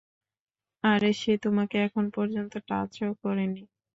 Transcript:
আরে, সে তোমাকে এখন পর্যন্ত টাচ ও করেনি।